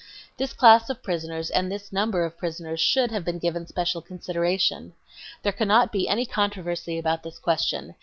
This class o f prisoners and this number of prisoners should haze been given special consideration. There cannot be any controversy about this question